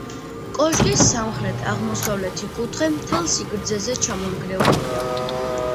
კოშკის სამხრეთ-აღმოსავლეთი კუთხე მთელ სიგრძეზე ჩამონგრეულია.